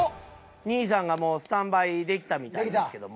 兄さんがもうスタンバイできたみたいですけども。